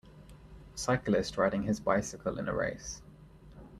Cyclist riding his bicycle in a race.